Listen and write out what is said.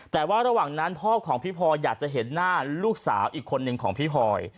แต่ว่าระหว่างนั้นพ่อของพี่พลอยอยากจะเห็นหน้าลูกสาวอีกคนนึงของพี่พลอย